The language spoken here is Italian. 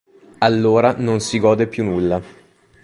Allora non si gode più nulla.